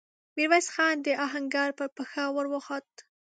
ميرويس خان د آهنګر پر پښه ور وخووت.